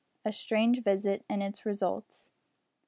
A STRANGE VISIT AND ITS RESULTS.